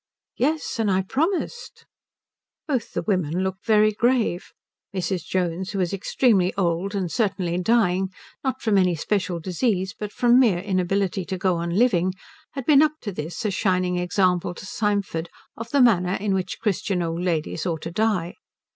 "Yes, and I promised." Both the women looked very grave. Mrs. Jones, who was extremely old and certainly dying not from any special disease but from mere inability to go on living had been up to this a shining example to Symford of the manner in which Christian old ladies ought to die.